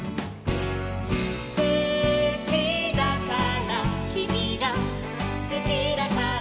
「すきだからきみがすきだから」